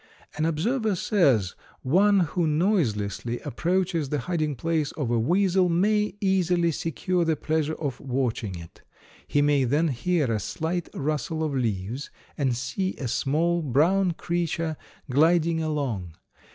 An observer says one who noiselessly approaches the hiding place of a weasel may easily secure the pleasure of watching it. He may then hear a slight rustle of leaves and see a small, brown creature gliding along.